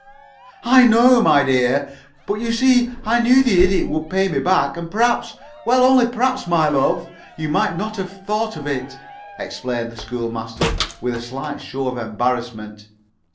"I know, my dear, but you see I knew the Idiot would pay me back, and perhaps well, only perhaps, my love you might not have thought of it," explained the school master, with a slight show of embarrassment.